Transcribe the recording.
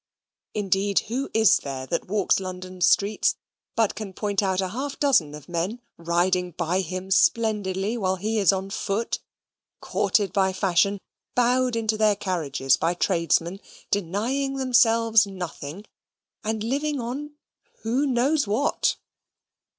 Indeed who is there that walks London streets, but can point out a half dozen of men riding by him splendidly, while he is on foot, courted by fashion, bowed into their carriages by tradesmen, denying themselves nothing, and living on who knows what?